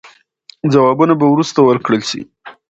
ځوابونه به وروسته ورکړل سي.